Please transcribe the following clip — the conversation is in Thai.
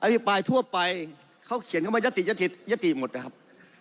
อภิปัยทั่วไปเขาเขียนคำว่ายัตติยัตติยัตติหมดนะครับ